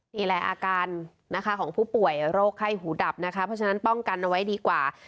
นี่แหละอาการนะคะของผู้ป่วยโรคไข้หูดับนะคะเพราะฉะนั้นป้องกันเอาไว้ดีกว่า